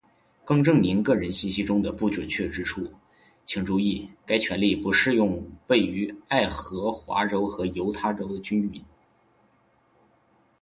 更正您个人信息中的不准确之处，请注意，该权利不适用位于爱荷华州和犹他州的居民；